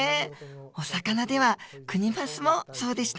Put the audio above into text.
お魚ではクニマスもそうでした。